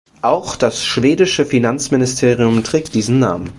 Auch das schwedische Finanzministerium trägt diesen Namen.